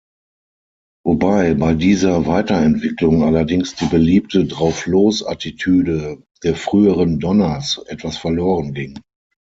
Wobei bei dieser Weiterentwicklung allerdings die beliebte "Drauflos-Attitüde" der früheren Donnas etwas verloren ging.